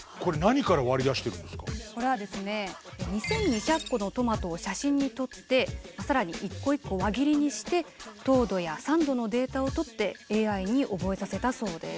これこれはですね２，２００個のトマトを写真に撮って更に一個一個輪切りにして糖度や酸度のデータを取ってＡＩに覚えさせたそうです。